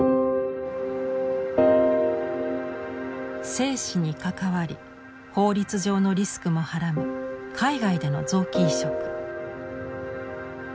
生死に関わり法律上のリスクもはらむ海外での臓器移植。